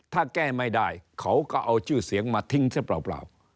ถ้าแก้ไม่ได้เขาก็เอาชื่อเสียงมาทิ้งซะเปล่า